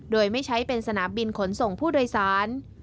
โดยไม่ใช้เป็นสนามบินขนส่งผู้โดยสาร